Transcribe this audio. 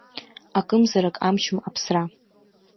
Акымзарак амчым аԥсра.